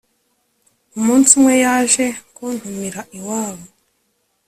Umunsi umwe, yaje kuntumira iwabo.